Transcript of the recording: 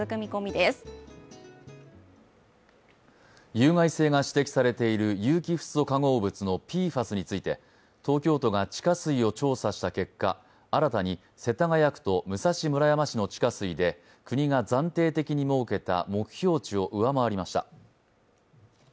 有害性が指摘されている有機フッ素化合物のＰＦＡＳについて東京都が地下水を調査した結果、新たに世田谷区と武蔵村山市の地下水で国が暫定的に設けた目標値を上回りました。